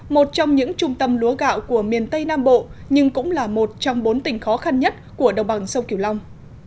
một trong những trung tâm lúa gạo của miền tây nam bộ nhưng cũng là một trong bốn tỉnh khó khăn nhất của đồng bằng sông kiều long